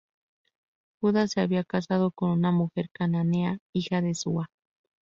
Judá se había casado con una mujer cananea, hija de Súa.